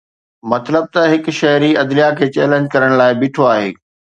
مطلب ته هڪ شهري عدليه کي چئلينج ڪرڻ لاءِ بيٺو آهي